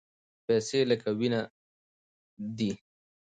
پیسې لکه وینه دي.